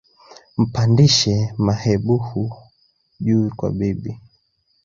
Mpandishe Mehebubu juu kwa bibi